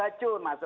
masker juga begitu